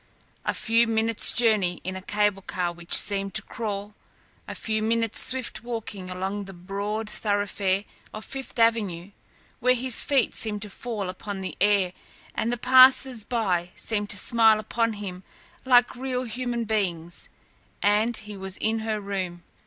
A few minutes' journey in a cable car which seemed to crawl, a few minutes' swift walking along the broad thoroughfare of Fifth Avenue, where his feet seemed to fall upon the air and the passersby seemed to smile upon him like real human beings, and he was in her room.